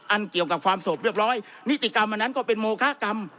อันเกี่ยวกับความโศกเรียบร้อยนิติกรรมอันนั้นก็เป็นโมคากรรม